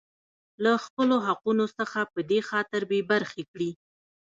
لـه خـپـلو حـقـونـو څـخـه پـه دې خاطـر بـې بـرخـې کـړي.